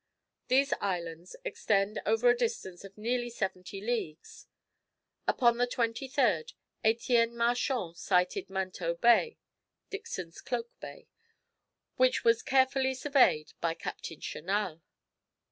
These islands extend over a distance of nearly seventy leagues. Upon the 23rd, Etienne Marchand sighted Manteau Bay (Dixon's Cloak Bay), which was carefully surveyed by Captain Chanal.